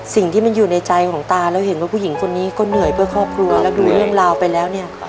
สิ่งที่มันอยู่ในใจของตาแล้วเห็นว่าผู้หญิงคนนี้ก็เหนื่อยเพื่อครอบครัวแล้วดูเรื่องราวไปแล้วเนี่ย